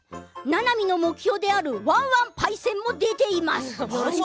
ななみの目標であるワンワンパイセンも出ています。